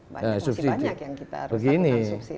banyak yang kita harus saksikan subsidi ini